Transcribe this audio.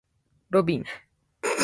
ロビン